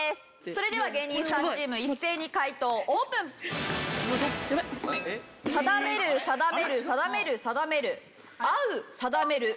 それでは芸人さんチーム一斉に解答オープン！「定める」「定める」「定める」「定める」「会う」「定める」。